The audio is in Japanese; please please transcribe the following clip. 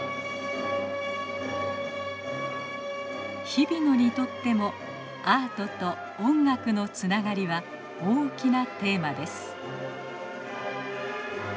日比野にとってもアートと音楽のつながりは大きなテーマです。